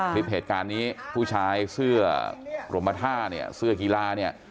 คลิปเหตุการณ์นี้ผู้ชายเสื้อกรมท่าเนี่ยเสื้อกีฬาเนี่ย